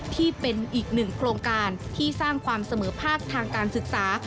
ที่เป็นอีกหนึ่งโครงการที่สร้างความเสมอภาคทางการศึกษา